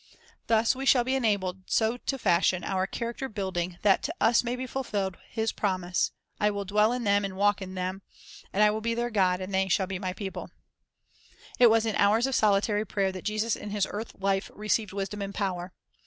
Thus we shall be enabled so to fashion our character building that to us may be fulfilled His promise, "I will dwell in them, and walk in them; and I will be their God, and they shall be My people." 2 1 Mark 1 1 : 2|. _> i 01. 6: 16. Faith and Prayer 259 It was in hours of solitary prayer that Jesus in His earth life received wisdom and power.